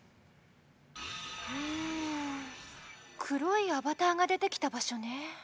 黒いアバターが出てきた場所ね。